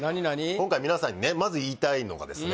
今回皆さんにねまず言いたいのがですね